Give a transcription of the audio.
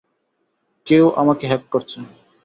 কেউ আমাকে হ্যাক করছে।